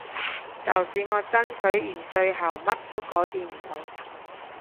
就算我爭取完最後乜都改變唔到